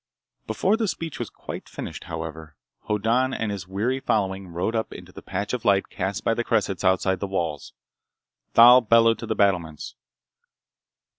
Before the speech was quite finished, however, Hoddan and his weary following rode up into the patch of light cast by the cressets outside the walls. Thal bellowed to the battlements.